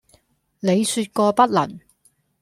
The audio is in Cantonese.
你説過不能。」